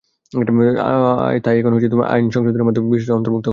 তাই এখন আইন সংশোধনের মাধ্যমের পরিপত্রের বিষয়টি আইনে অন্তর্ভুক্ত করা হচ্ছে।